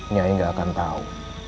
nyai gak akan tahu